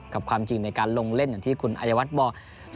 ความจริงในการลงเล่นอย่างที่คุณอายวัฒน์บอก